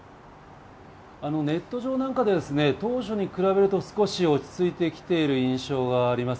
ネット上なんかでは当初に比べると少し落ち着いてきている印象があります。